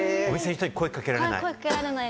お店の人に声かけられない。